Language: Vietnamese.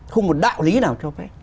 không một đạo lý nào cho phép